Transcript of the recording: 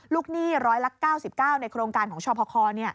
ลูกหนี้ร้อยละ๙๙ในโครงการของชอบพ่อคอร์